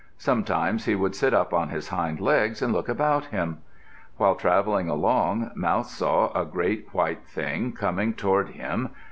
Sometimes he would sit up on his hind legs and look about him. While travelling along, Mouse saw a great white Thing coming toward him.